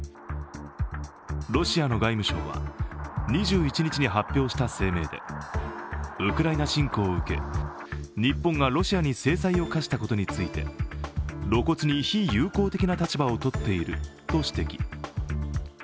ロシアの外務省は２１日に発表した声明でウクライナ侵攻を受け、日本がロシアに制裁を科したことについて露骨に非友好的な立場をとっていると指摘。